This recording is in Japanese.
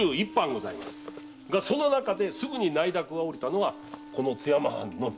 がその中ですぐに内諾が下りたのはこの津山藩のみ。